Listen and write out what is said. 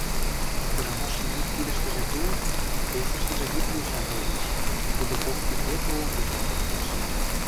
Ӱдырамашын ик кидыштыже тул, весыштыже вӱд лийшаш олмеш, тудо кок кидге тулым кучен коштеш.